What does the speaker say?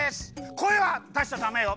こえはだしちゃダメよ。